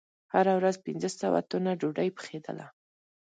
هره ورځ پنځه سوه تنه ډوډۍ پخېدله.